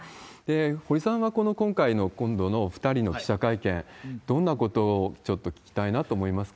堀さんはこの今回の今度のお２人の記者会見、どんなことをちょっと聞きたいなと思いますか？